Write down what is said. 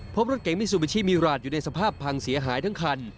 พบรถเก๋งมิซูบิชิมิราชอยู่ในสภาพพังเสียหายทั้งคัน